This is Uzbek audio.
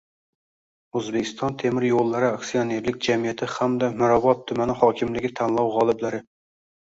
«O‘zbekiston temir yo‘llari» aksionerlik jamiyati hamda Mirobod tumani hokimligi – tanlov g‘oliblari